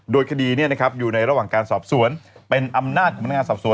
โดยคดีนี้นะครับอยู่ในระหว่างการสอบสวนเป็นอำนาจสอบสวน